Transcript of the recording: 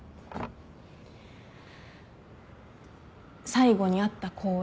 最後に会った公園